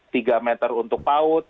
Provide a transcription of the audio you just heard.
tiga meter untuk paud